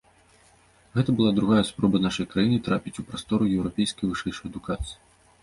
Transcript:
Гэта была другая спроба нашай краіны трапіць у прастору еўрапейскай вышэйшай адукацыі.